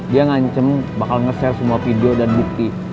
dia ngancem bakal nge share semua video dan bukti